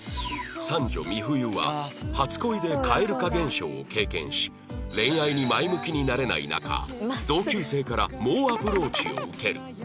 三女美冬は初恋で蛙化現象を経験し恋愛に前向きになれない中同級生から猛アプローチを受ける